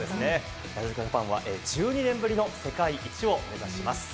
なでしこジャパンは１２年ぶりの世界一を目指します。